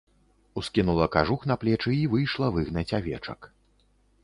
Ускінула кажух на плечы і выйшла выгнаць авечак.